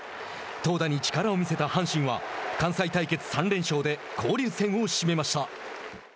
投打に力を見せた阪神は関西対決３連勝で交流戦を締めました。